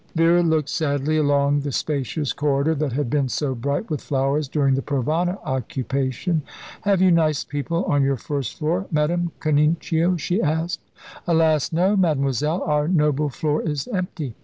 Vera looked sadly along the spacious corridor, that had been so bright with flowers during the Provana occupation. "Have you nice people on your first floor, Madame Canincio?" she asked. "Alas, no, Mademoiselle. Our noble floor is empty.